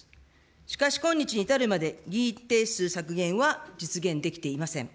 しかし今日に至るまで、議員定数削減は実現できていません。